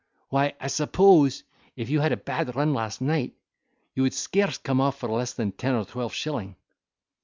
Why, I suppose, if you had a bad run last night, you would scarce come off for less than ten or twelve shilling."